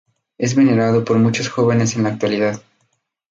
Es venerado por muchos jóvenes en la actualidad.